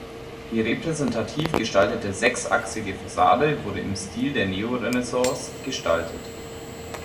Die repräsentativ gestaltete sechsachsige Fassade wurde im Stil der Neorenaissance gestaltet.